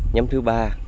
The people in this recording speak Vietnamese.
nhóm thứ ba